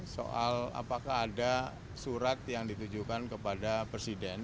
soal apakah ada surat yang ditujukan kepada presiden